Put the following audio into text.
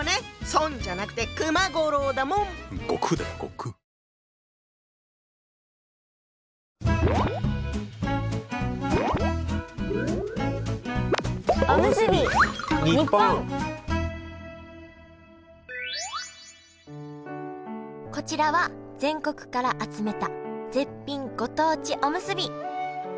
孫じゃなくてこちらは全国から集めた絶品ご当地おむすび。